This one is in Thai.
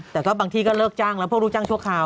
แต่ก็บางทีก็เลิกจ้างแล้วพวกลูกจ้างชั่วคราว